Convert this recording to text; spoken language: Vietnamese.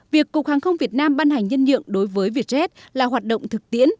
việc cục hàng không việt nam ban hành nhân nhượng đối với vietjet là hoạt động thực tiễn